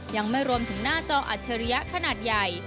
ยังไม่รวมถึงหน้าจออัจฉริยะขนาดใหญ่